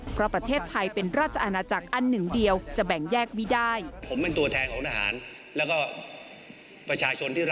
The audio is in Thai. เพราะประเทศไทยเป็นราชอาณาจักรอันหนึ่งเดียวจะแบ่งแยกไม่ได้